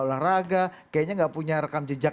olahraga kayaknya nggak punya rekam jejak